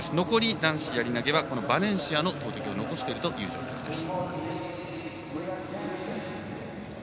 男子やり投げはバレンシアの投てきを残している状況です。